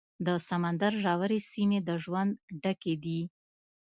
د سمندر ژورې سیمې د ژوند ډکې دي.